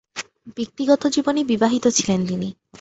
ব্যক্তিগত জীবনে বিবাহিত ছিলেন তিনি।